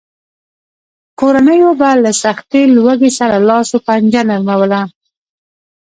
کورنیو به له سختې لوږې سره لاس و پنجه نرموله.